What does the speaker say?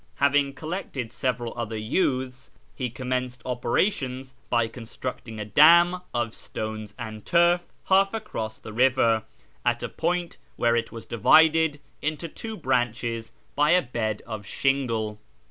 Having collected several other youths, he commenced operations by constructing a dam of stones and turf half across the river, at a point where it was divided into two branches by a bed of shingle.